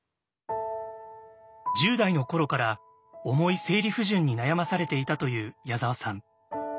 １０代の頃から重い生理不順に悩まされていたという矢沢さん。